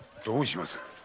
どうします？